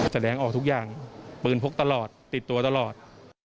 แสดงออกทุกอย่างปืนพกตลอดติดตัวตลอด